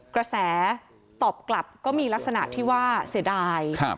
กระแสตอบกลับก็มีลักษณะที่ว่าเสียดาย